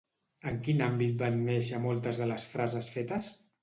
En quin àmbit van néixer moltes de les frases fetes?